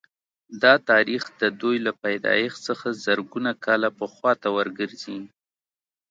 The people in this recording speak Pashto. دا تاریخ د دوی له پیدایښت څخه زرګونه کاله پخوا ته ورګرځي